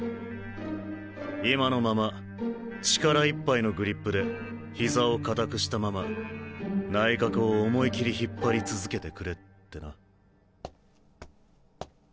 今のまま力いっぱいのグリップで膝を固くしたまま内角を思い切り引っ張り続けてくれってな。